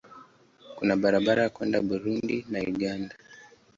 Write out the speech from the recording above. Kuna barabara kwenda Burundi na Uganda.